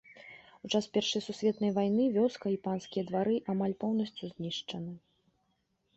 У час першай сусветнай вайны вёска і панскія двары амаль поўнасцю знішчаны.